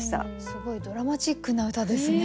すごいドラマチックな歌ですね。